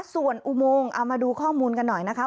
ส่วนอุโมงเอามาดูข้อมูลกันหน่อยนะคะ